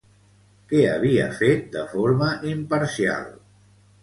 Què havia fet de forma imparcial?